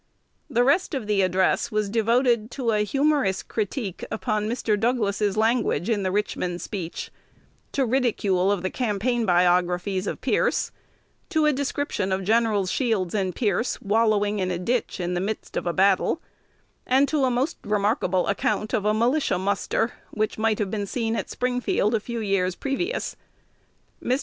The rest of the address was devoted to a humorous critique upon Mr. Douglas's language in the Richmond speech, to ridicule of the campaign biographies of Pierce, to a description of Gens. Shields and Pierce wallowing in the ditch in the midst of a battle, and to a most remarkable account of a militia muster which might have been seen at Springfield a few years previous. Mr.